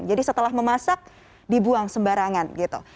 jadi setelah memasak dibuang sembarangan gitu